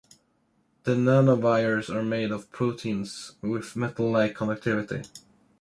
The nanowires are made of proteins with metal-like conductivity.